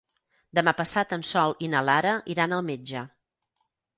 Demà passat en Sol i na Lara iran al metge.